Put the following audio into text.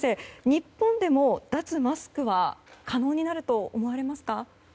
日本でも脱マスクは可能になると思いますか？